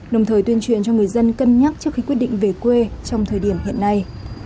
đồng thời tuyên truyền cho người dân cân nhắc trước khi quyết định về quê trong thời điểm hiện nay